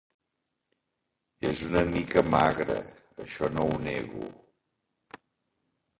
Es una mica magre, això no ho nego